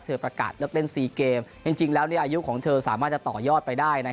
ประกาศเลือกเล่น๔เกมจริงแล้วอายุของเธอสามารถจะต่อยอดไปได้